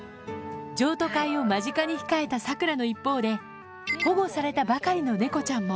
譲渡会を間近に控えたサクラの一方で、保護されたばかりの猫ちゃんも。